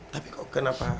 tapi kok kenapa